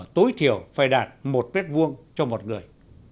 tối thiểu phải đạt một m hai cho một người